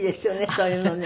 そういうのね。